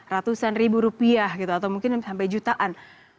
ratusan ribu rupiah gitu atau mungkin sampai jutaan